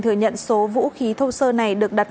thừa nhận số vũ khí thô sơ này được đặt